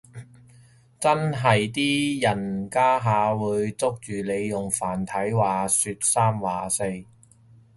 真係啲人家下會捉住你用繁體話說三話四